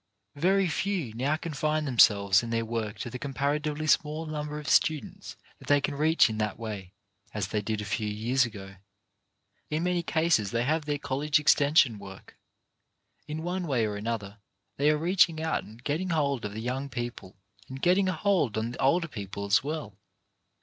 Very few now confine themselves and their work to the comparatively small number of students that they can reach in that way, as they did a few years ago. In many cases they YOUR PART IN THE CONFERENCE 159 have their college extension work. In one way or another they are reaching out and getting hold of the young people — and getting a hold on the older people as well.